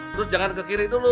terus jangan ke kiri dulu